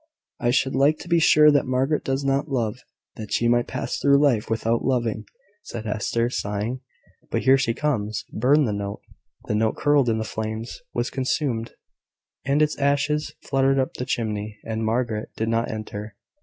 "I should like to be sure that Margaret does not love that she might pass through life without loving," said Hester, sighing, "But here she comes! Burn the note!" The note curled in the flames, was consumed, and its ashes fluttered up the chimney, and Margaret did not enter.